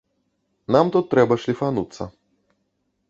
Нам тут трэба шліфануцца.